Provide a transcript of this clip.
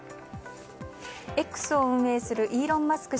Ｘを運営するイーロン・マスク